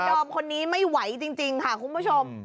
ดอมคนนี้ไม่ไหวจริงค่ะคุณผู้ชม